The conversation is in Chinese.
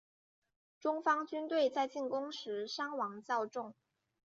中方军队在进攻时伤亡较重。